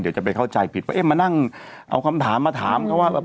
เดี๋ยวจะไปเข้าใจผิดว่าเอ๊ะมานั่งเอาคำถามมาถามเขาว่า